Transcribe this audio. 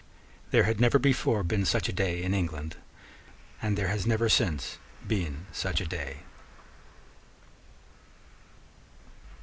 There had never before been such a day in England; and there has never since been such a day.